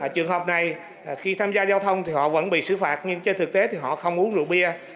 trường hợp này khi tham gia giao thông thì họ vẫn bị xử phạt nhưng trên thực tế thì họ không uống rượu bia